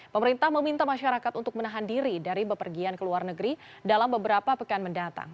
pemerintah meminta masyarakat untuk menahan diri dari bepergian ke luar negeri dalam beberapa pekan mendatang